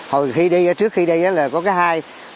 hồi khi đi trước khi đây là có cái hai